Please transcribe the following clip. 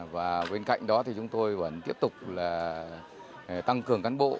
và bên cạnh đó thì chúng tôi vẫn tiếp tục là tăng cường cán bộ